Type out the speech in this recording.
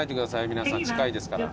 皆さん近いですから。